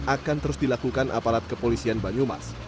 akan terus dilakukan aparat kepolisian banyumas